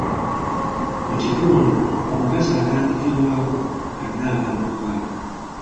Mu kitundu, omukazi atandikirwako alina abaana mukaaga.